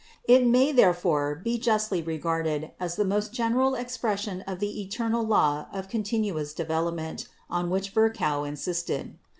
It may, there fore, be justly regarded as the most general expression of the 'eternal law of continuous development' on which iVirchow insisted.